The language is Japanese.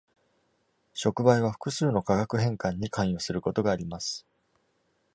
触媒は複数の化学変換に関与することがあります。